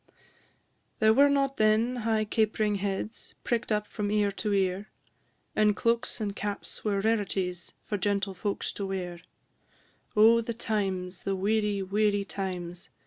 II. There were not then high capering heads, Prick'd up from ear to ear; And cloaks and caps were rarities, For gentle folks to wear: Oh, the times, the weary, weary times!